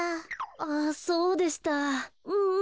あぁそうでした。うう。